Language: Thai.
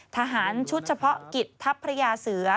ทหารชุดเฉพาะกิจทัพพระยาเสือ